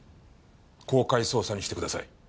公開捜査にしてください。